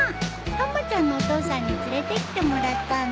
たまちゃんのお父さんに連れてきてもらったんだ。